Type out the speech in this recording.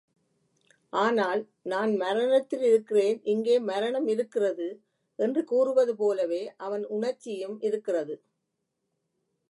ஆனால், நான் மரணத்திலிருக்கிறேன் இங்கே மரணம் இருக்கிறது! என்று கூறுவது போலவே அவன் உணர்ச்சியும் இருக்கிறது.